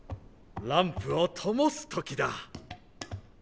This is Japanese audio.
ランプをともす時だ。